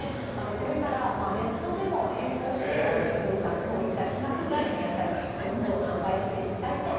これからネットでも並行してオイシックスさん、こういった規格外の野菜、どんどん販売していきたいということで。